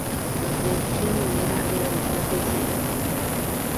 La producción minera era de plata y zinc.